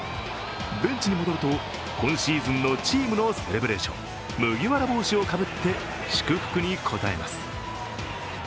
ベンチに戻ると、今シーズンのチームのセレブレーション、麦わら帽子をかぶって祝福に応えます。